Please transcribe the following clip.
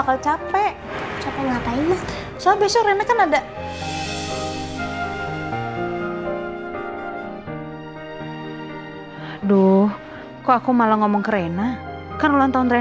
kalau gitu saya sama andin keluar ya